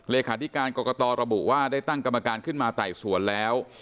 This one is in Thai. เลขาธิการกรกตระบุว่าได้ตั้งกรรมการขึ้นมาไต่สวนแล้ว